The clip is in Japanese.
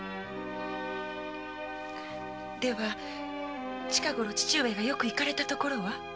では近ごろ父上がよく行かれた所は？